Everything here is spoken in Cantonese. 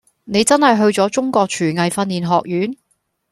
你真係去咗中國廚藝訓練學院？